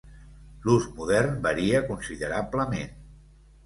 L"ús modern varia considerablement.